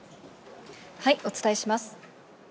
お伝えします。